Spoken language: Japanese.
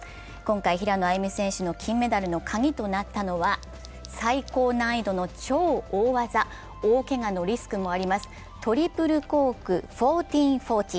今回、平野歩夢選手の金メダルのカギとなったのは、最高難易度の超大技、大けがのリスクもあります、トリプルコーク１４４０です。